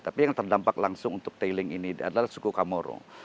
tapi yang terdampak langsung untuk tailing ini adalah suku kamoro